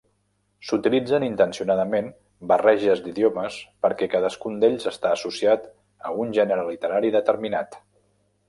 S'utilitzen intencionadament barreges d'idiomes perquè cadascun d'ells està associat a un gènere literari determinat.